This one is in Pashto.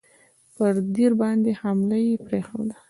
پر دیر باندي حمله یې پرېښوده.